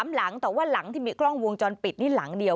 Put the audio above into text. หลังแต่ว่าหลังที่มีกล้องวงจรปิดนี่หลังเดียว